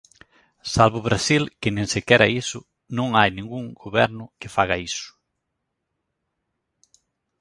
Salvo Brasil, que nin sequera isto, non hai ningún goberno que faga isto.